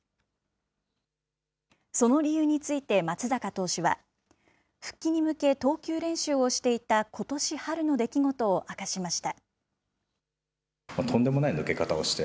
その理由について、松坂投手は復帰に向け、投球練習をしていたことし春の出来事を明かしました。